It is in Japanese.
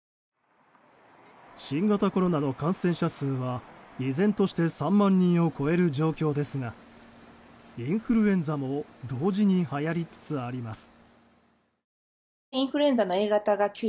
新型コロナの感染者数は依然として３万人を超える状況ですがインフルエンザも同時にはやりつつあります。